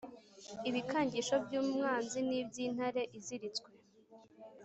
ibikangisho by'umwanzi n' iby'intare iziritswe :